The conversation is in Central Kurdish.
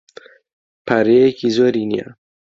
پارەیەکی زۆری نییە.